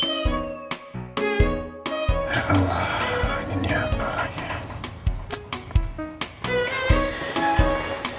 salatullah salamullah ala toha rasulillah